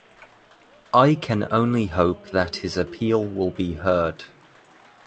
I can only hope that his appeal will be heard.